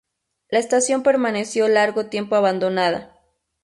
La estación permaneció largo tiempo abandonada.